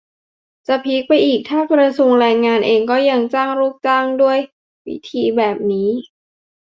จะพีคไปอีกถ้ากระทรวงแรงงานเองก็ยังจ้างลูกจ้างด้วยวิธีแบบนี้